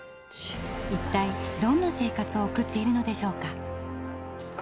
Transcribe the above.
一体どんな生活を送っているのでしょうか？